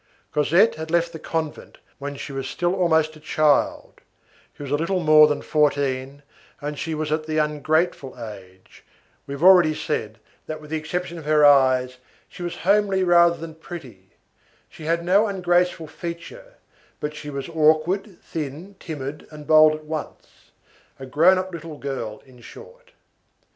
Cosette had left the convent when she was still almost a child; she was a little more than fourteen, and she was at the "ungrateful age"; we have already said, that with the exception of her eyes, she was homely rather than pretty; she had no ungraceful feature, but she was awkward, thin, timid and bold at once, a grown up little girl, in short.